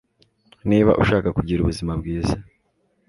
niba ushaka kugira ubuzima bwiza